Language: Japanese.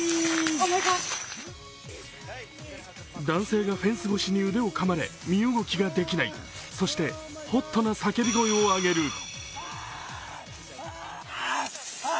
男性がフェンス越しに腕をかまれ身動きができないそしてＨＯＴな叫び声を上げる。